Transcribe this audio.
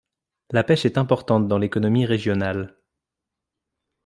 La pêche est importante dans l'économie régionale.